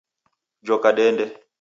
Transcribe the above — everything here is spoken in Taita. Joka dende